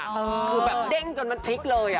คือแบบเด้งจนมันพลิกเลย